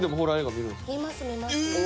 見ます。